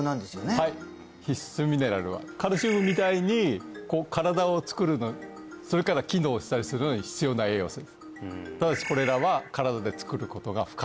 はい必須ミネラルはカルシウムみたいに身体をつくるそれから機能したりするのに必要な栄養素です